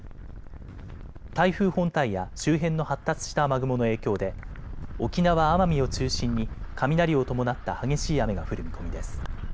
台風本体や周辺の発達した雨雲の影響で沖縄・奄美を中心に雷を伴った激しい雨が降る見込みです。